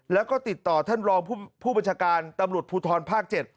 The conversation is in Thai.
แล้วก็ติดต่อท่านรองผู้บัญชาการตำรวจภูทรภาค๗